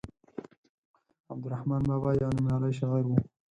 عبدالرحمان بابا يو نوميالی شاعر وو.